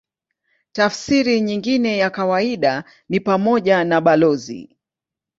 Tafsiri nyingine ya kawaida ni pamoja na balozi.